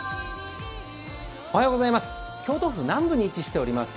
京都府南部に位置しております